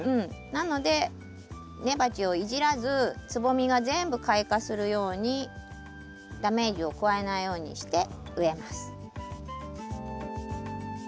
なので根鉢をいじらずつぼみが全部開花するようにダメージを加えないようにして植えます。